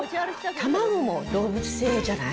卵も動物性じゃない？